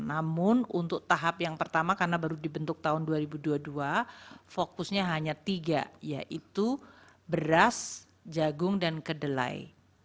namun untuk tahap yang pertama karena baru dibentuk tahun dua ribu dua puluh dua fokusnya hanya tiga yaitu beras jagung dan kedelai